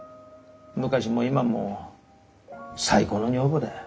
昔も今も最高の女房だよ。